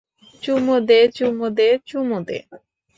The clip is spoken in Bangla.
চুমো দে, চুমো দে, চুমো দে!